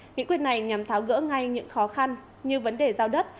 nghị quyết này nhằm tháo gỡ ngay những khó khăn như vấn đề giao đất